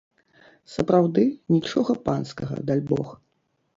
Сапраўды, нічога панскага, дальбог.